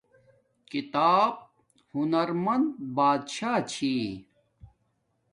کتاب ہنزمند بادشاہ چھی